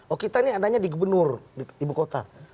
oh kita ini adanya di gubernur di ibu kota